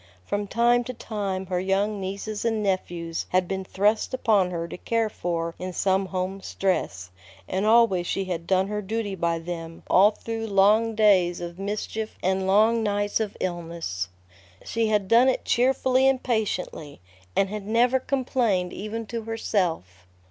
From time to time her young nieces and nephews had been thrust upon her to care for in some home stress, and always she had done her duty by them all through long days of mischief and long nights of illness. She had done it cheerfully and patiently, and had never complained even to herself.